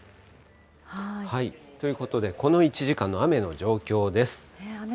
ということでこの１時間の雨の状況です。